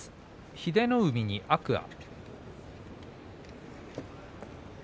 英乃海に天空海。